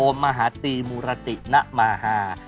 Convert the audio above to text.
อมมหาตีมุรตินมหา